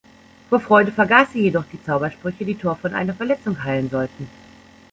Vor Freude vergaß sie jedoch die Zaubersprüche, die Thor von einer Verletzung heilen sollten.